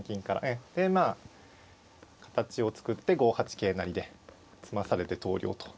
ええでまあ形を作って５八桂成で詰まされて投了と。